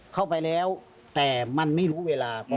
เข้าไปแล้วแต่มันไม่รู้เวลา